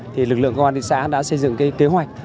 thì lực lượng công an thị xã đã xây dựng cái kế hoạch